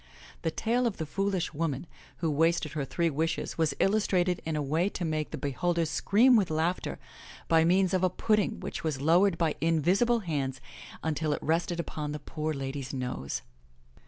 The tale of the foolish woman who wasted her three wishes was illustrated in a way to make the be holders scream with laughter, by means of a pudding which was lowered by invisible hands imtil it rested upon the poor lady's nose.